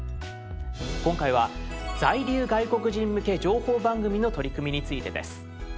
今回は「在留外国人向け情報番組」の取り組みについてです。